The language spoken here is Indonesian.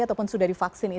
ataupun sudah divaksinasi